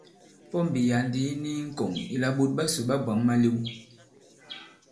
Pɔmbì ya᷅ ndī i ni i ŋkɔ̀ŋ ìlà ɓòt ɓasò ɓa bwǎŋ malew.